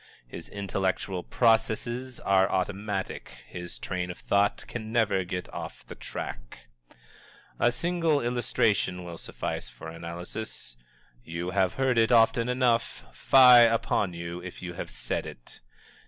His intellectual processes are automatic his train of thought can never get off the track. A single illustration will suffice for analysis. You have heard it often enough; fie upon you if you have said it!